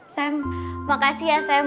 sam makasih ya sam